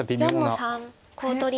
黒４の三コウ取り。